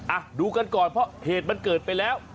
อ่ะดูกันก่อนเพราะเหตุมันเกิดไปแล้ว